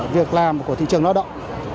việc làm của thị trường lao động